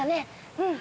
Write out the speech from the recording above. うん。